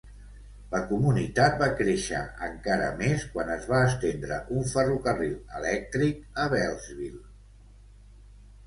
La comunitat va créixer encara més quan es va estendre un ferrocarril elèctric a Beltsville.